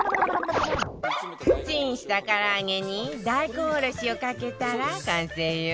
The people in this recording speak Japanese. チンした唐揚げに大根おろしをかけたら完成よ